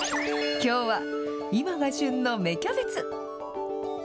きょうは、今が旬の芽キャベツ。